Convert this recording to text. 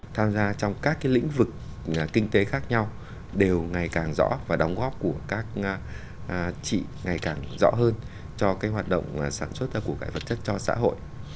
tham gia trong các lĩnh vực kinh tế khác nhau đều ngày càng rõ và đóng góp của các chị ngày càng rõ hơn cho hoạt động sản xuất của các vật chất cho xã hội